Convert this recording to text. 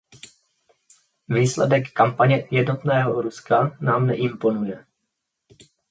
Výsledek kampaně Jednotného Ruska nám neimponuje.